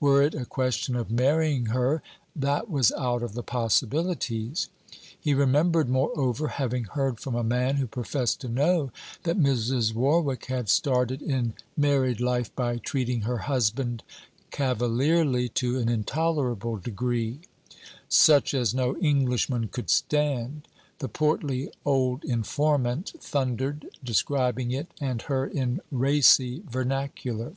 Were it a question of marrying her! That was out of the possibilities. He remembered, moreover, having heard from a man, who professed to know, that Mrs. Warwick had started in married life by treating her husband cavalierly to an intolerable degree: 'Such as no Englishman could stand,' the portly old informant thundered, describing it and her in racy vernacular.